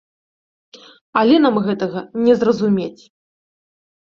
Але нам гэтага не зразумець.